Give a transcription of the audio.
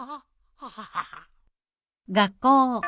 アハハハ。